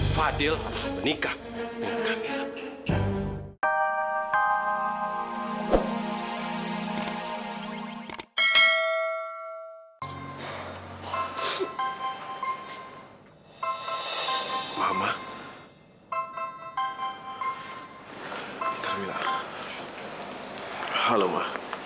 fadil baik baik aja ma